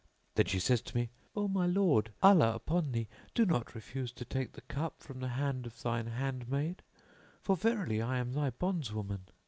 Then she says to me, 'O my lord, Allah upon thee, do not refuse to take the cup from the hand of thine hand maid, for verily I am thy bondswoman.'